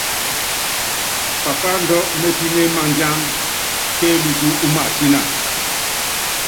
Pakáandú mépíné madíangá kélúkú ú matína.